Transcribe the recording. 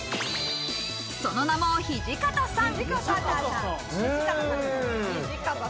その名も土方さん。